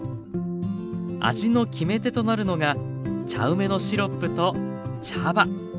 味の決め手となるのが茶梅のシロップと茶葉！